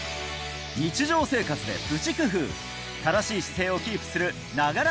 日常生活でプチ工夫正しい姿勢をキープする「ながら